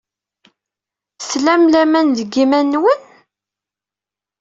Tlam laman deg yiman-nwen?